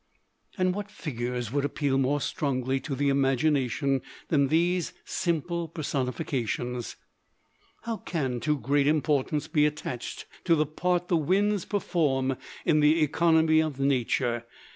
And what figures would appeal more strongly to the imagination than these simple personifications? How can too great importance be attached to the part the winds perform in the economy of nature?